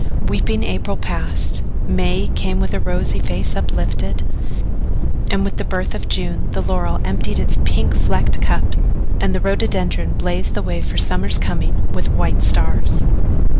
Weeping April passed, May came with rosy face uplifted, and with the birth of June the laurel emptied its pink flecked cups and the rhododendron blazed the way for the summer's coming with white stars.